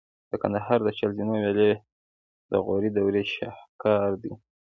د کندهار د چل زینو ویالې د غوري دورې شاهکار دي